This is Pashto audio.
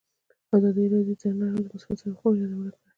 ازادي راډیو د هنر د مثبتو اړخونو یادونه کړې.